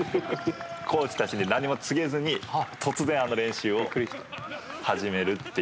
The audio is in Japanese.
コーチたちに何も告げずに突然、あの練習を始める。